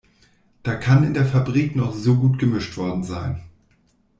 Da kann in der Fabrik noch so gut gemischt worden sein.